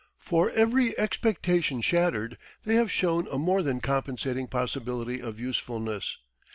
For every expectation shattered, they have shown a more than compensating possibility of usefulness.